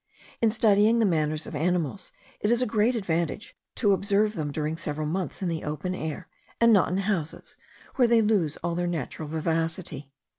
In studying the manners of animals, it is a great advantage to observe them during several months in the open air, and not in houses, where they lose all their natural vivacity.